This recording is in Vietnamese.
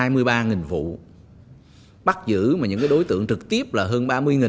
một vụ bắt giữ những đối tượng trực tiếp là hơn ba mươi